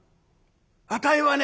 あたいはね